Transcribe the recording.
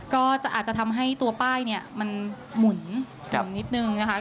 ก็อาจจะทำให้ตัวป้ายเนี่ยมันหมุนนิดนึงนะคะ